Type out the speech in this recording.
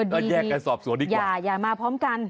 ก็แยกกันสอบสวนดีกว่าอย่ามาพร้อมกัน